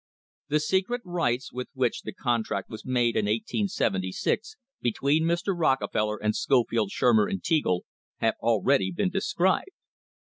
The secret rites with which the contract was made in 1876 between Mr. Rocke feller and Scofield, Shurmer and Teagle have already been described.